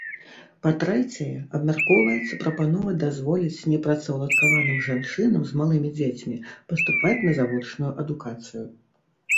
Па-трэцяе, абмяркоўваецца прапанова дазволіць непрацаўладкаваным жанчынам з малымі дзецьмі паступаць на завочную адукацыю.